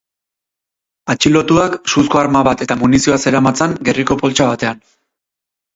Atxilotuak suzko arma bat eta munizioa zeramatzan gerriko poltsa batean.